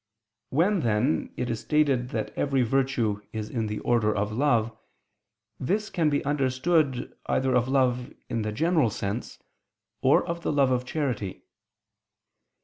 When, then, it is stated that every virtue is the order of love, this can be understood either of love in the general sense, or of the love of charity.